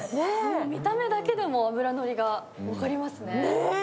見た目だけでも脂のりが分かりますね。